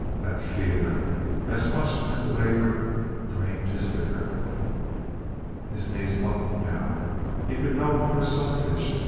That fear as much as the labor drained his vigor. His knees buckled now. He could no longer sunfish.